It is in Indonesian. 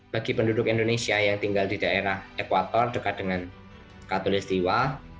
bagi penduduk indonesia yang tinggal di daerah ekuator dekat dengan katolistiwa